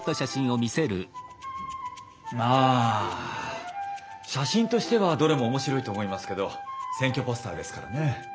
ああ写真としてはどれも面白いと思いますけど選挙ポスターですからね。